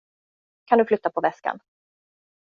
Kan du flytta på väskan?